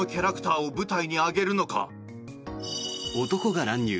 男が乱入。